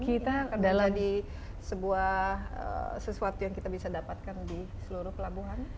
ini akan menjadi sesuatu yang bisa kita dapatkan di seluruh pelabuhan